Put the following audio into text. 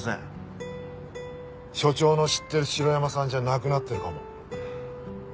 署長の知ってる城山さんじゃなくなってるかも。